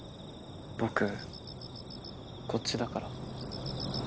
僕こっちだから。